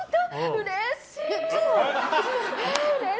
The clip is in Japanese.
うれしい。